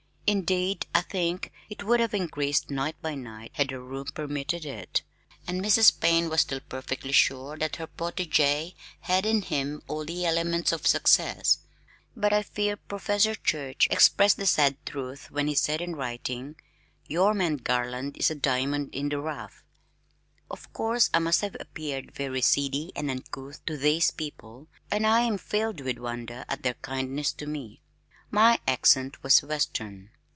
Indeed I think it would have increased night by night had the room permitted it, and Mrs. Payne was still perfectly sure that her protégé had in him all the elements of success, but I fear Prof. Church expressed the sad truth when he said in writing, "Your man Garland is a diamond in the rough!" Of course I must have appeared very seedy and uncouth to these people and I am filled with wonder at their kindness to me. My accent was western.